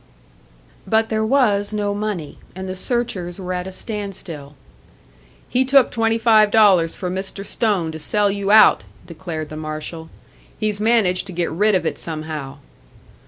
But there was no money, and the searchers were at a standstill. "He took twenty five dollars from Mr. Stone to sell you out!" declared the marshal. "He's managed to get rid of it somehow."